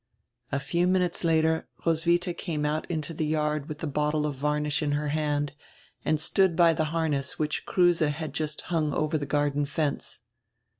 A few minutes later Roswidia came out into die yard widi die bottie of varnish in her hand and stood by the harness which Kruse had just hung over die garden fence.